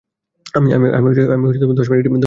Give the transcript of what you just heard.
আমি দশ মিনিটের মধ্যে আসছি, ওকে?